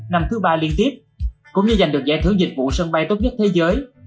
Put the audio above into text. năm thứ ba liên tiếp cũng như giành được giải thưởng dịch vụ sân bay tốt nhất thế giới